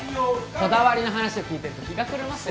こだわりの話を聞いてると日が暮れますよ。